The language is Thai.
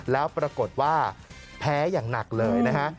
แล้วปรากฏว่าแพ้อย่างหนักเลยนะฮะ